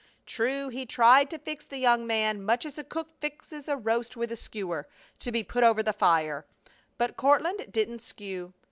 True, he tried to fix the young man much as a cook fixes a roast with a skewer, to be put over the fire; but Courtland didn't skew.